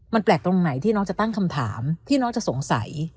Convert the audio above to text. มันแปลกตรงไหนที่น้องจะตั้งคำถามพี่น้องจะสงสัย